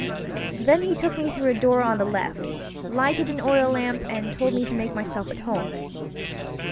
Then he took me through a door on the left, lighted an oil lamp, and told me to make myself at home.